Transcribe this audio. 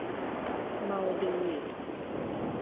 เมาดี